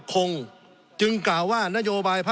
สงบจนจะตายหมดแล้วครับ